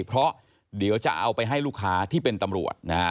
เพราะเดี๋ยวจะเอาไปให้ลูกค้าที่เป็นตำรวจนะฮะ